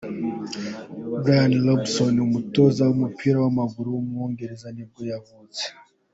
Bryan Robson, umutoza w’umupira w’amaguru w’umwongereza nibwo yavutse.